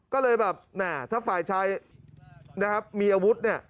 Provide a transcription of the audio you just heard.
ก็เลยแบบถ้าฝ่ายชายมีอาวุธ